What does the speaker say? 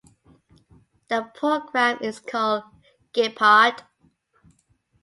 The program is called "Gepard".